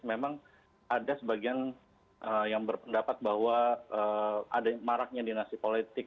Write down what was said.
memang ada sebagian yang berpendapat bahwa ada maraknya dinasti politik